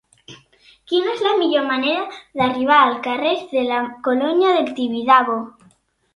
Quina és la millor manera d'arribar al carrer de la Colònia del Tibidabo?